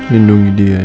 lindungi dia ya allah